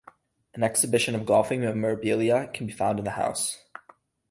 An exhibition of golfing memorabilia can be found in the house.